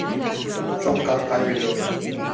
Çok kan kaybediyorsun.